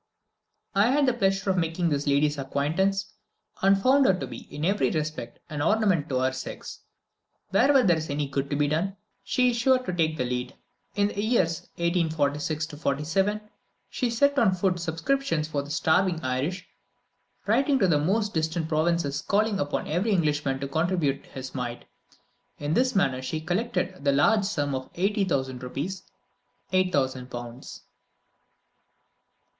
I had the pleasure of making this lady's acquaintance, and found her to be, in every respect, an ornament to her sex. Wherever there is any good to be done, she is sure to take the lead. In the years 1846 7, she set on foot subscriptions for the starving Irish, writing to the most distant provinces and calling upon every Englishman to contribute his mite. In this manner she collected the large sum of 80,000 rupees (8,000 pounds.)